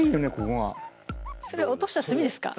それ落とした墨ですか？